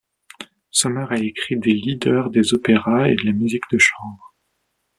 Sommer a écrit des lieder, des opéras et de la musique de chambre.